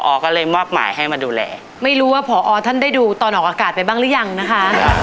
ก็เลยมอบหมายให้มาดูแลไม่รู้ว่าพอท่านได้ดูตอนออกอากาศไปบ้างหรือยังนะคะ